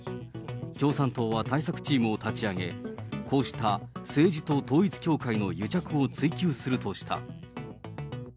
共産党は対策チームを立ち上げ、こうした政治と統一教会の癒着を追及するとした。